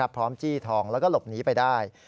จี้ทองแล้วก็หลบหนีไปได้